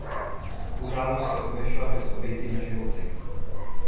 Událost se obešla bez obětí na životech.